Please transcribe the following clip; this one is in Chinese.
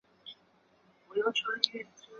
贡生出身。